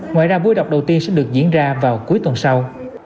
ngoài ra buổi đọc đầu tiên sẽ được diễn ra vào cuối tuần sau